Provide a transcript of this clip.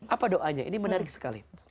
apa doanya ini menarik sekali